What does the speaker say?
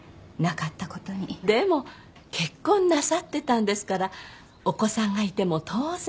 でも結婚なさってたんですからお子さんがいても当然。